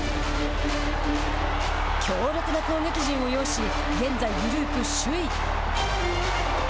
強力な攻撃陣を擁し現在グループ首位。